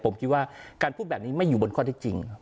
ผมคิดว่าการพูดแบบนี้ไม่อยู่บนข้อที่จริง